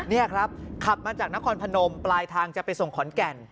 นี่ครับขับมาจากนครพนมปลายทางจะไปส่งขอนแก่น